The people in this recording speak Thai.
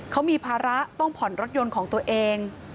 เขามีภาระต้องผ่อนรถยนต์ของตัวเอง